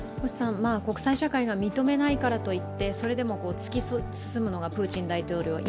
国際社会が認めないからといってそれでも突き進むのがプーチン大統領。